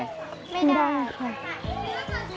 ไม่ได้ค่ะ